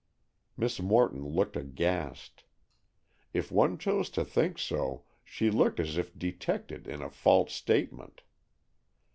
Miss Morton looked aghast. If one chose to think so, she looked as if detected in a false statement.